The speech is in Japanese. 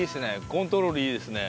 コントロールいいですね。